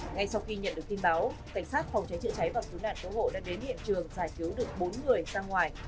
ngay sau khi nhận được tin báo cảnh sát phòng cháy chữa cháy và cứu nạn cứu hộ đã đến hiện trường giải cứu được bốn người ra ngoài